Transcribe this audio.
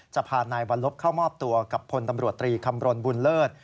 จะพานายวัลลบเข้ามอบตัวกับพลตำรวจตรีคำรณบุญเลิศ